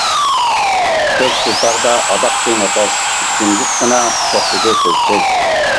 كۆك تۇلپاردا ئاداققى نەپەس، جىمجىتقىنا توختىدى سۆزسىز.